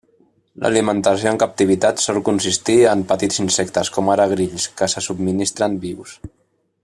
L'alimentació en captivitat sol consistir en petits insectes, com ara grills, que se subministren vius.